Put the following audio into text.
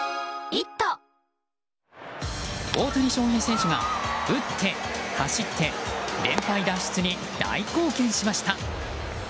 大谷翔平選手が打って、走って連敗脱出に大貢献しました。